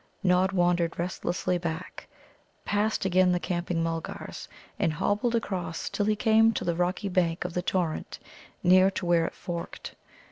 Nod wandered restlessly back, passed again the camping Mulgars, and hobbled across till he came to the rocky bank of the torrent near to where it forked.